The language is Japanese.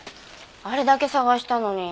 あれだけ捜したのに。